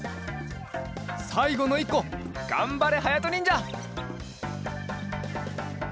さいごのいっこがんばれはやとにんじゃ。